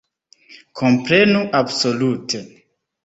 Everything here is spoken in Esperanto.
Komprenu, absolute!